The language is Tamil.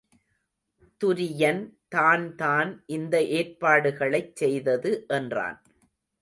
துரியன் தான்தான் இந்த ஏற்பாடுகளைச் செய்தது என்றான்.